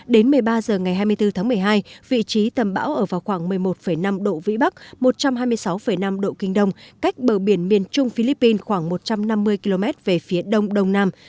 đến một mươi ba h ngày hai mươi bốn tháng một mươi hai vị trí tầm bão ở vào khoảng một mươi một năm độ vĩ bắc một trăm hai mươi sáu năm độ kinh đông cách bờ biển miền trung philippines khoảng một trăm năm mươi km về phía đông đông nam